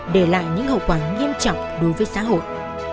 để lại những hậu quả nghiêm trọng đối với xã hội